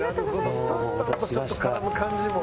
スタッフさんとちょっと絡む感じも。